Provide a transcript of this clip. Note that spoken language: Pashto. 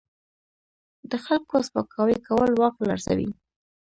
د خلکو سپکاوی کول واک لرزوي.